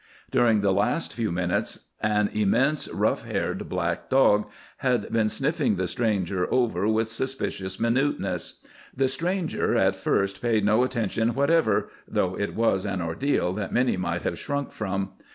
During the last few minutes an immense, rough haired black dog had been sniffing the stranger over with suspicious minuteness. The stranger at first paid no attention whatever, though it was an ordeal that many might have shrunk from.